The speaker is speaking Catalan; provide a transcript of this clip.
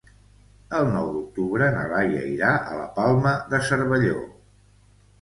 El nou d'octubre na Laia irà a la Palma de Cervelló.